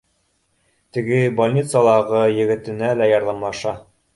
Теге больницалағы егетенә лә ярҙамлаша